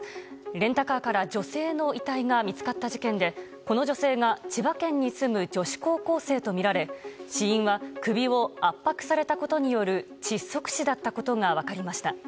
レンタカーから女性の遺体が見つかった事件でこの女性が千葉県に住む女子高校生とみられ死因は首を圧迫されたことによる窒息死だったことが分かりました。